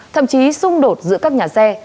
thậm chí xung đột giữa các nhà xe